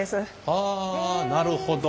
はあなるほど。